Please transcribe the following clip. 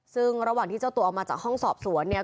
ซึ่งระหว่างที่เจ้าตัวออกมาจากห้องสอบสวนเนี่ย